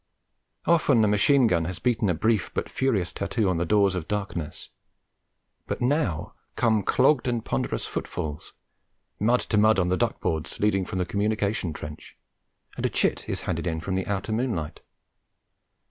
Often a machine gun has beaten a brief but furious tattoo on the doors of darkness; but now come clogged and ponderous footfalls mud to mud on the duck boards leading from the communication trench and a chit is handed in from the outer moonlight.